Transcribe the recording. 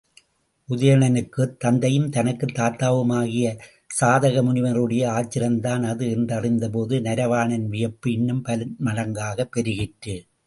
உதயணனுக்குத் தந்தையும் தனக்குத் தாத்தாவுமாகிய சதானிக முனிவருடைய ஆசிரமம்தான் அது என்றறிந்தபோது நரவாணனின் வியப்பு இன்னும் பன்மடங்காகப் பெருகிற்று.